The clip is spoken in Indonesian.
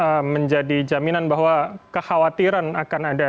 jadi ini kemudian menjadi jaminan bahwa kekhawatiran akan berlaku